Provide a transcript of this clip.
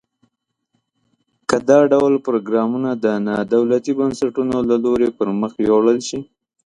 که دا ډول پروګرامونه د نا دولتي بنسټونو له لوري پرمخ یوړل شي.